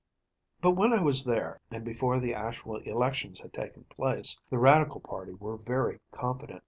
But when I was there, and before the actual elections had taken place, the Radical party were very confident.